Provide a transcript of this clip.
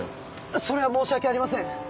それは申し訳ありません！